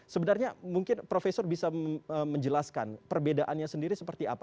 sebenarnya mungkin profesor bisa menjelaskan perbedaannya sendiri seperti apa